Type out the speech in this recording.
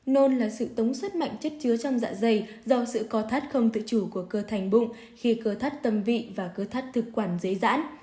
nôn là sự tống sắt mạnh chất chứa trong dạ dày do sự co thắt không tự chủ của cơ thành bụng khi cơ thắt tầm vị và cơ thắt thực quản dễ dãn